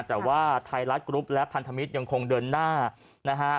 แต่ว่าไทยรัฐกรุ๊ปและพันธมิตรยังคงเดินหน้านะฮะ